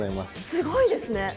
すごいですね。